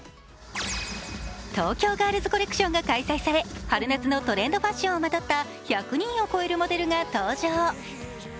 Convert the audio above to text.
東京ガールズコレクションが開催され、初夏のトレンドファッションをまとった１００人を超えるモデルが登場。